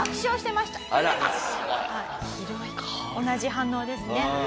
同じ反応ですね。